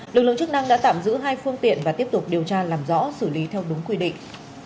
lực lượng chức năng đã tạm giữ hai phương tiện và tiếp tục điều tra làm rõ xử lý theo đúng quy định